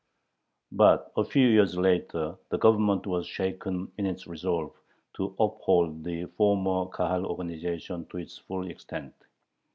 But a few years later the Government was shaken in its resolve to uphold the former Kahal organization to its full extent.